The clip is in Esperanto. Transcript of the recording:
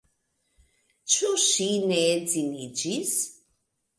Ĉu ŝi ne edziniĝis?